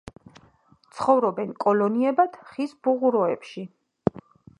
ცხოვრობენ კოლონიებად ხის ფუღუროებში.